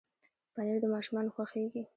پنېر د ماشومانو خوښېږي.